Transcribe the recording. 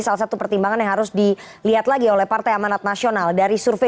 salah satu pertimbangan yang harus dilihat lagi oleh partai amanat nasional dari survei